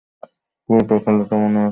পুরানো খেলাটা মনে আছে?